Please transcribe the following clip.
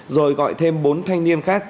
rồi gọi thêm bốn thanh niên khác